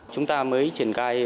chúng ta mới triển khai